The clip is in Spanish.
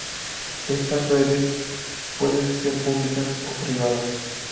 Estas redes pueden ser públicas o privadas.